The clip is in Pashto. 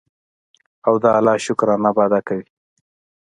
او د الله شکرانه به ادا کوي.